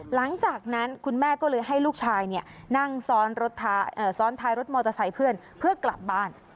หลังจากนั้นคุณแม่ก็เลยให้ลูกชายนั่งซ้อนท้ายรถมอเตอร์ไซค์เพื่อนเพื่อกลับบ้าน